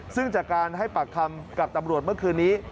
ซึ่งจากการให้ปากคำกับตำรวจเมื่อคืนนี้